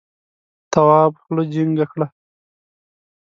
تواب خوله جینگه کړه.